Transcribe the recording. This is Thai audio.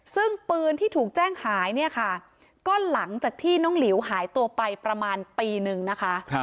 ซึ่งปืนที่ถูกแจ้งหายเนี่ยค่ะก็หลังจากที่น้องหลิวหายตัวไปประมาณปีนึงนะคะ